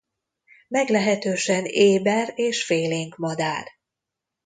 Meglehetősen éber és félénk madár.